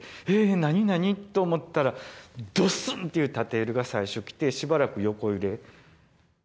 何？と思ったらドスン！っていう縦揺れが最初来てしばらく横揺れ。